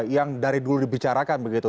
yang dari dulu dibicarakan begitu